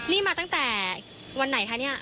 นี่มาตั้งแต่วันไหนคะเนี่ย